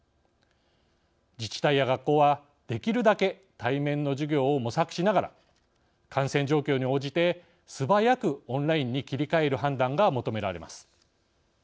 自治体や学校はできるだけ対面の授業を模索しながら感染状況に応じて素早くオンラインに切り替える判断が求められます。